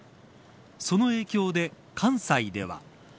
その影響で関西では。